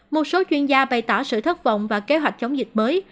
một số chuyên gia bày tỏ sự thất vọng và kế hoạch chống dịch mới